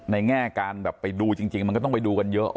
แง่การแบบไปดูจริงมันก็ต้องไปดูกันเยอะ